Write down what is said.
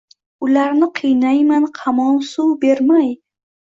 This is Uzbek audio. Ularni qiynayman hamon suv bermay…